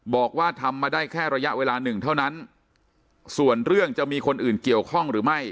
บอกว่าทำมาได้แค่ระยะเวลาหนึ่งเท่านั้นส่วนเรื่องจะมีคนอื่นเกี่ยวข้องหรือไม่